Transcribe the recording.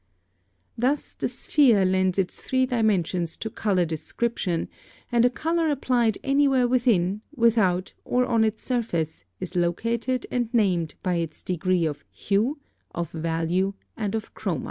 Thus the sphere lends its three dimensions to color description, and a color applied anywhere within, without, or on its surface is located and named by its degree of hue, of value, and of chroma.